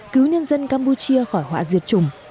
cứu nhân dân campuchia khỏi họa diệt chủng